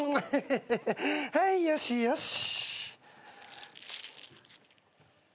はいよしよし。